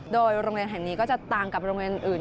โดยโรงเรียนแห่งนี้ก็จะต่างกับโรงเรียนอื่น